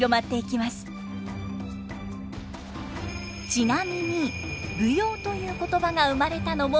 ちなみに舞踊という言葉が生まれたのも明治時代。